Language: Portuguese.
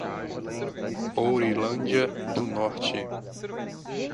Ourilândia do Norte